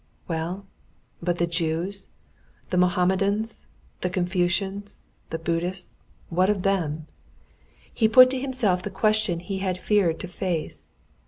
Well, but the Jews, the Mohammedans, the Confucians, the Buddhists—what of them?" he put to himself the question he had feared to face.